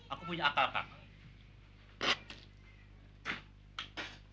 aku punya akal kang